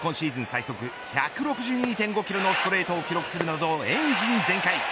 最速１６２．５キロのストレートを記録するなどエンジン全開。